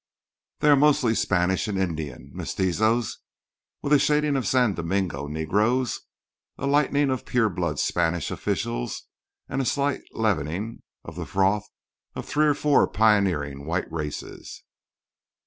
They are mostly Spanish and Indian mestizos, with a shading of San Domingo Negroes, a lightening of pure blood Spanish officials and a slight leavening of the froth of three or four pioneering white races.